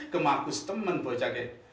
kemagus teman bu jage